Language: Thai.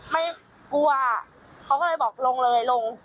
ไม่กลัวเขาก็เลยบอกลงเลยลง